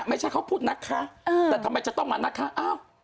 ไม่ใช่เขาพูดนะคะแต่ทำไมจะต้องมานะคะ